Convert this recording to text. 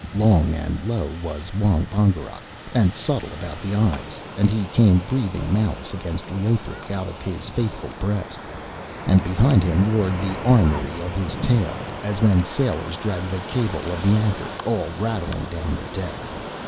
Long and low was Wong Bongerok, and subtle about the eyes, and he came breathing malice against Leothric out of his faithful breast, and behind him roared the armoury of his tail, as when sailors drag the cable of the anchor all rattling down the deck.